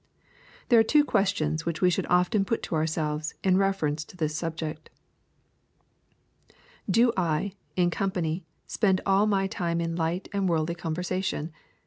There are two questions which we should often put to ourselves, in reference to this subject. "Do I, in company, upend all my time in light and worldly conversation ? 148 EXPOSITORY THOUGHTS.